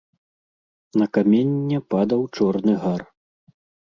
На каменне падаў чорны гар.